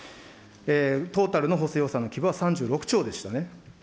トータルの補正予算の規模は３６兆でしたね。